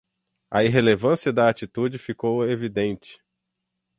A irrelevância da atitude ficou evidente